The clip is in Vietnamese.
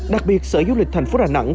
đặc biệt sở du lịch thành phố đà nẵng